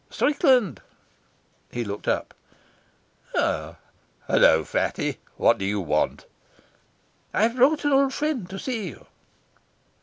"Strickland." He looked up. "Hulloa, fatty. What do you want?" "I've brought an old friend to see you."